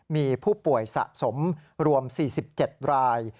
มีผู้ป่วยสะสมรวม๔๗ราย